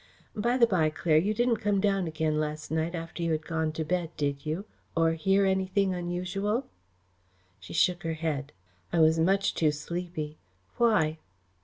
By the by, Claire, you didn't come down again last night after you had gone to bed, did you, or hear anything unusual?" She shook her head. "I was much too sleepy. Why?"